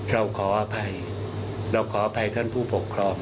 เราขออภัยเราขออภัยท่านผู้ปกครอง